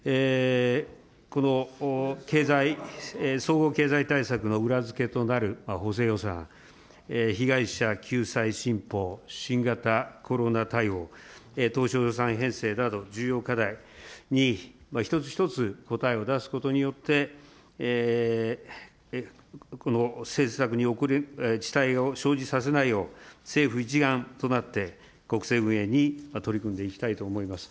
この総合経済対策の裏付けとなる補正予算、被害者救済新法、新型コロナ対応、当初予算編成など重要課題に一つ一つ答えを出すことによって、政策に遅滞を生じさせないよう、政府一丸となって国政運営に取り組んでいきたいと思います。